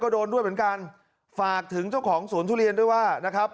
โดนด้วยเหมือนกันฝากถึงเจ้าของสวนทุเรียนด้วยว่านะครับ